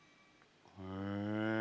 へえ。